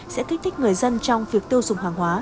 sẽ kích thích người dân trong việc tiêu dùng hàng hóa